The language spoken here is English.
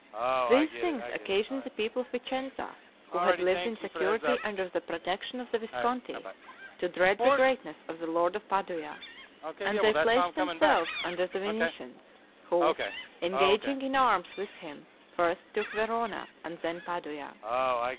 These things occasioned the people of Vicenza, who had lived in security under the protection of the Visconti, to dread the greatness of the lord of Padua, and they placed themselves under the Venetians, who, engaging in arms with him, first took Verona and then Padua.